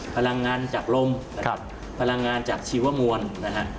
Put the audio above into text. พลังงานจากลมพลังงานจากชีวมวลนะครับ